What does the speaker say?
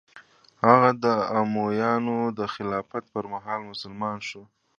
هغه د امویانو د خلافت پر مهال مسلمان شوی.